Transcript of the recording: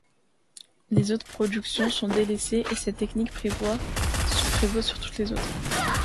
Les autres productions sont délaissées, et cette technique prévaut sur toutes les autres.